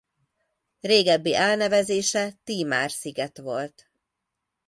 Régebbi elnevezése Tímár-sziget volt.